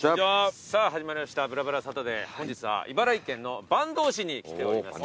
さぁ始まりました『ぶらぶらサタデー』本日は茨城県の坂東市に来ております。